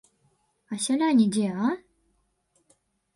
А сяляне дзе, а?